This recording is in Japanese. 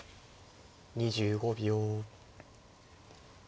２５秒。